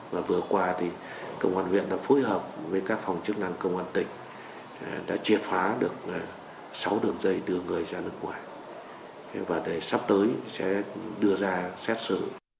và vừa qua thì công an huyện đã phối hợp với các phòng chức năng công an tỉnh đã triệt phá được sáu đường dây đưa người ra nước ngoài và sắp tới sẽ đưa ra xét xử